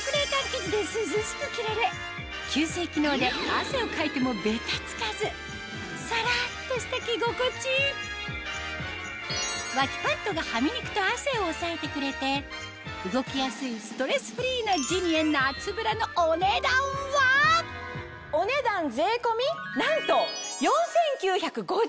生地で涼しく着られ吸水機能で汗をかいてもベタつかずさらっとした着心地脇パッドがハミ肉と汗をおさえてくれて動きやすいストレスフリーなジニエ夏ブラのお値段はお値段税込みなんと。